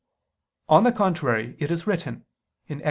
On the contrary, It is written (Ex.